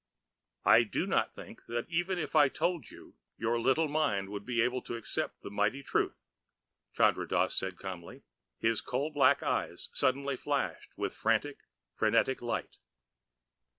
"I do not think that even if I told you, your little mind would be able to accept the mighty truth," Chandra Dass said calmly. His coal black eyes suddenly flashed with fanatic, frenetic light.